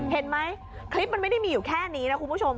เห็นไหมคลิปมันไม่ได้มีอยู่แค่นี้นะคุณผู้ชม